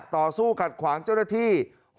ต่อสู้ขัดขวางเจ้าหน้าที่